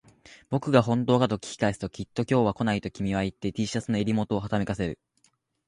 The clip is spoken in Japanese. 僕が本当かと聞き返すと、きっと今日は来ないと君は言って、Ｔ シャツの襟元をはためかせる